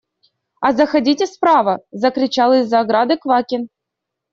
А заходите справа! – закричал из-за ограды Квакин.